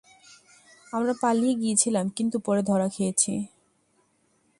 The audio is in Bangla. আমরা পালিয়ে গিয়েছিলাম, কিন্তু পরে ধরা খেয়েছি।